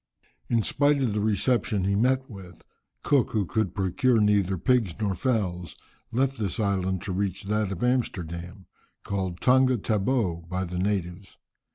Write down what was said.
In spite of the reception he met with, Cook, who could procure neither pigs nor fowls, left this island to reach that of Amsterdam, called Tonga Tabou by the natives.